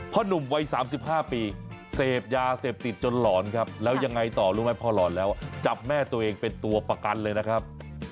หนุ่มวัย๓๕ปีเสพยาเสพติดจนหลอนครับแล้วยังไงต่อรู้ไหมพ่อหลอนแล้วจับแม่ตัวเองเป็นตัวประกันเลยนะครับ